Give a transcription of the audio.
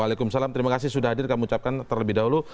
waalaikumsalam terima kasih sudah hadir kami ucapkan terlebih dahulu